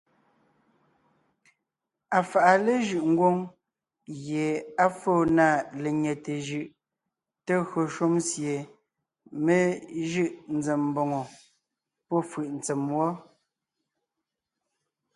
Afàʼa léjʉ́ʼ ngwóŋ gie á fóo na lenyɛte jʉʼ te gÿo shúm sie mé jʉʼ zém mboŋó pɔ́fʉ̀ʼ ntsèm wɔ́.